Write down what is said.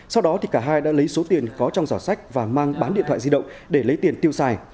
sau đó cả hai đã lấy số tiền có trong giỏ sách và mang bán điện thoại di động để lấy tiền tiêu xài